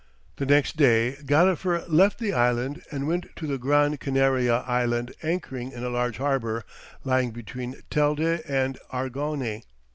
] The next day Gadifer left the island and went to the Gran Canaria island anchoring in a large harbour lying between Telde and Argonney.